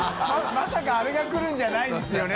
まさかあれが来るんじゃないですよね？」